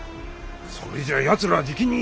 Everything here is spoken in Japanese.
それじゃあやつらはじきに安太郎を。